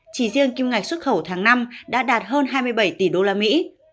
chỉ riêng kim ngạch xuất khẩu tháng năm đã đạt hơn hai mươi bảy tỷ đô la mỹ